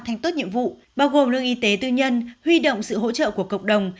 thành tốt nhiệm vụ bao gồm lương y tế tư nhân huy động sự hỗ trợ của cộng đồng